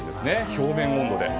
表面温度で。